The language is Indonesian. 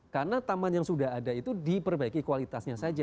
karena taman yang sudah ada itu diperbaiki kualitasnya saja